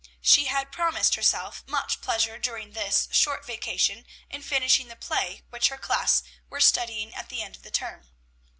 She had promised herself much pleasure during this short vacation in finishing the play which her class were studying at the end of the term.